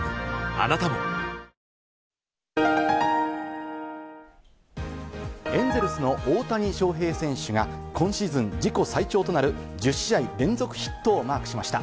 あなたもエンゼルスの大谷翔平選手が今シーズン自己最長となる１０試合連続ヒットをマークしました。